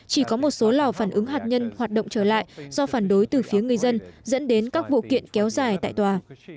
chỉ có một số lò phản ứng hạt nhân hoạt động trở lại do phản đối từ phía người dân dẫn đến các vụ kiện kéo dài tại tòa